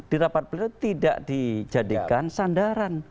dirapat beliau tidak dijadikan sandaran